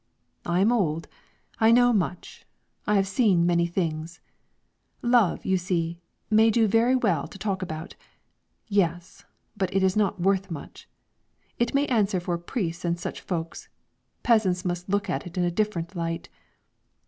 I am old. I know much. I have seen many things; love, you see, may do very well to talk about; yes, but it is not worth much. It may answer for priests and such folks, peasants must look at it in a different light.